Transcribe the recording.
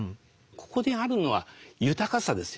ここであるのは豊かさですよ。